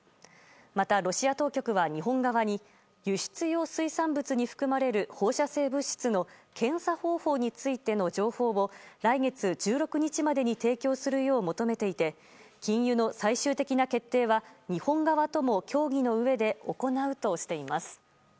また、ロシア当局は日本側に輸出用水産物に含まれる放射性物質の検査方法についての情報を来月１６日までに提供するよう求めていて禁輸の最終的な決定は日本側とも協議のうえで行うとしています。